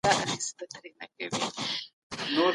یونانیانو سیاستپوهنه د ښار د چارو پوهه بللې ده.